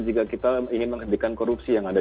jika kita ingin menghentikan korupsi yang ada